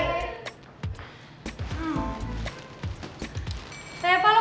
ya gue cuma agak agak